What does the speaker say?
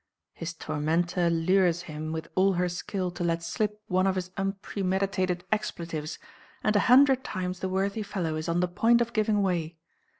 His tormentor lures him with all her skill to let slip one of his unpremeditated expletives, and a hundred times the worthy fellow is on the point of giving way.